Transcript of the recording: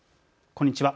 こんにちは。